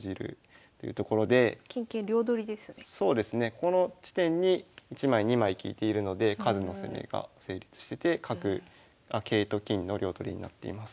この地点に１枚２枚利いているので数の攻めが成立してて桂と金の両取りになっています。